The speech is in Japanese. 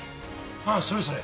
ああそれそれ。